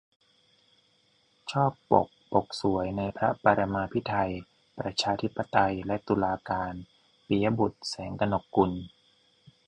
ชอบปก ปกสวย ในพระปรมาภิไธย ประชาธิปไตย และตุลาการ - ปิยะบุตร แสงกนกกุล